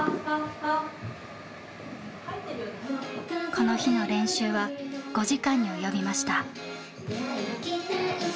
この日の練習は５時間に及びました。